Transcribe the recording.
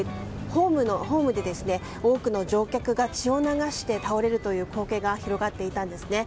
ホームで多くの乗客が血を流して倒れるという光景が広がっていたんですね。